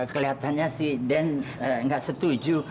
kelihatannya sih dan gak setuju